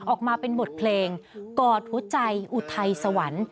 ออกมาเป็นบทเพลงกอดหัวใจอุทัยสวรรค์